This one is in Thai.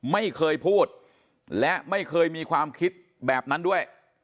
ไม่เคยพูดและไม่เคยมีความคิดแบบนั้นด้วย